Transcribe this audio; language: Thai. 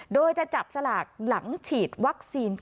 โดยจะจับสลากหลังฉีดวัคซีน